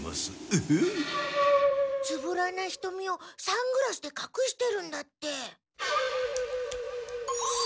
つぶらなひとみをサングラスでかくしてるんだって。